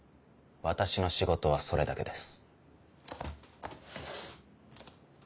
私の仕事はそれだけです。